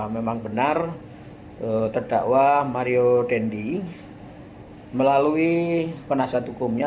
memang benar terdakwa mario dendi melalui penasihat hukumnya